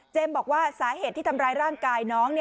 บอกว่าสาเหตุที่ทำร้ายร่างกายน้อง